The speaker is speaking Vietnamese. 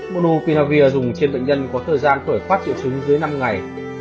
monopiravir dùng trên bệnh nhân có thời gian khởi phát triệu chứng dưới năm ngày